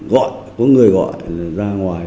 gọi có người gọi ra ngoài